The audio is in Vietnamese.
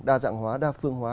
đa dạng hóa đa phương hóa